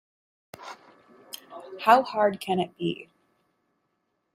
How hard can it be?